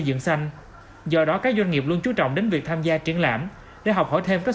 dựng xanh do đó các doanh nghiệp luôn chú trọng đến việc tham gia triển lãm để học hỏi thêm các